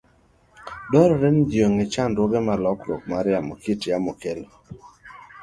Dwarore ni ji ong'e chandruoge ma lokruok mar kit yamo kelo.